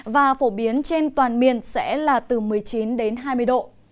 và phổ biến trên toàn miền sẽ là từ một mươi chín đến hai mươi độ